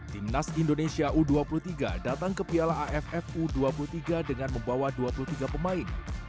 timnas indonesia u dua puluh tiga datang ke piala aff u dua puluh tiga dengan membawa dua puluh tiga pemain